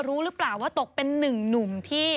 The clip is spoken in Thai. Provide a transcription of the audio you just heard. รู้หรือเปล่าว่าตกเป็นหนึ่งหนุ่มที่